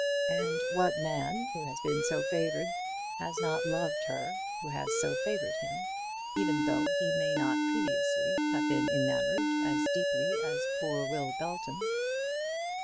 And what man who has been so favoured has not loved her who has so favoured him, even though he may not previously have been enamoured as deeply as poor Will Belton?